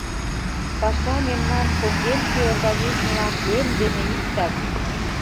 Паша мемнан шоҥгемше организмлан эм дене иктак.